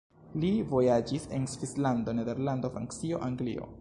Li vojaĝis en Svislando, Nederlando, Francio, Anglio.